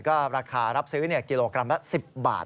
ก็ราคารับซื้อกิโลกรัมละ๑๐บาท